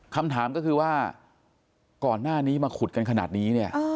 คำถามก็คือว่าก่อนหน้านี้มาขุดกันขนาดนี้เนี่ย